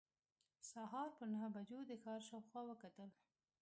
سهار پر نهو بجو د ښار شاوخوا وکتل.